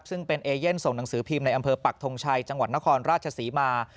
ซึ่งเป็นเอเย่นส่งหนังสือพิมพ์ในอำเภอปักทงชัยจังหวัดนครราชศรีมา